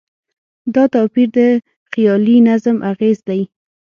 دا توپیر د خیالي نظم اغېز دی.